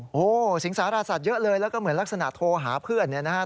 โอ้โหสิงสารสัตว์เยอะเลยแล้วก็เหมือนลักษณะโทรหาเพื่อนเนี่ยนะครับ